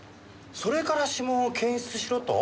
それから指紋を検出しろと？